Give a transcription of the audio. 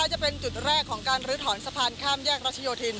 จะเป็นจุดแรกของการลื้อถอนสะพานข้ามแยกรัชโยธิน